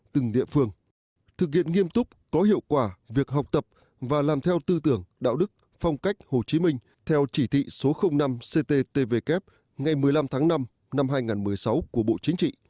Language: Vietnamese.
từng địa phương thực hiện nghiêm túc có hiệu quả việc học tập và làm theo tư tưởng đạo đức phong cách hồ chí minh theo chỉ thị số năm cttvk ngày một mươi năm tháng năm năm hai nghìn một mươi sáu của bộ chính trị